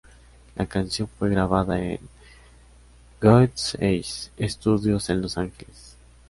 La canción fue grabada en God's Eyes Studios en Los Ángeles.